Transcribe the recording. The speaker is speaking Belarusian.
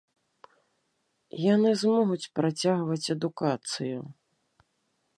Яны змогуць працягваць адукацыю.